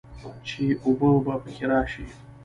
چې اوبۀ به پکښې راشي